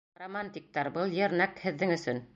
Романтиктар, был йыр нәҡ һеҙҙең өсөн!